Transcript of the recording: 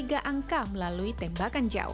angka melalui tembakan jauh